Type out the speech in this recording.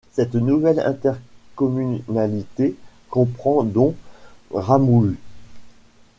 Cette nouvelle intercommunalité comprend dont Ramoulu.